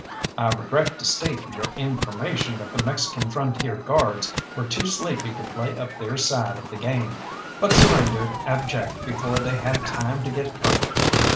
I regret to state for your information that the Mexican Frontier Guards were too sleepy to play up their side of the game, but surrendered abject before they had time to get hurt.